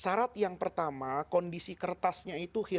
syarat yang pertama kondisi kertasnya itu hilang